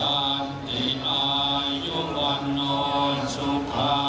และทุกคนกลับมากมัด